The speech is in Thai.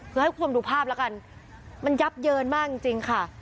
คือให้คุณคุณคุณถูกภาพละกันมันยับเยินมากจริงค่ะ